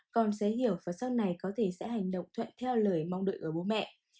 con sẽ hiểu và sau này có thể sẽ hành động thuận theo lời mong đợi của bố mẹ